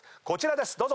こちらです。